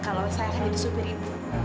kalau saya akan jadi supir itu